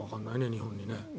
日本にね。